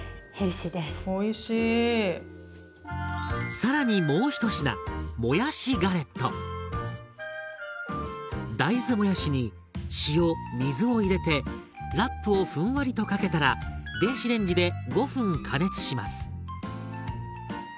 更にもう１品大豆もやしに塩水を入れてラップをふんわりとかけたら電子レンジで５分加熱します。